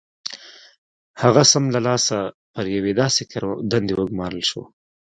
هغه سم له لاسه پر یوې داسې دندې وګومارل شو